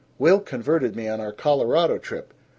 Will converted me on our Colorado trip.